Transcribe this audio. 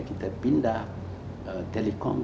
kita pindah telekom